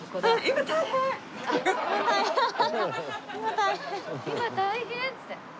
「今大変」って。